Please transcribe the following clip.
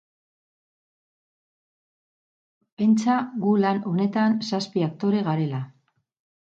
Pentsa gu lan honetan zazpi aktore garela.